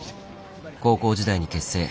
高校時代に結成。